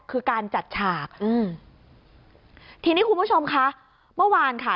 คือการจัดฉากอืมทีนี้คุณผู้ชมคะเมื่อวานค่ะ